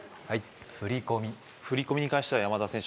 振り込み振り込みに関しては山田選手